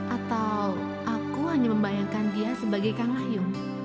atau aku hanya membayangkan dia sebagai kang ayu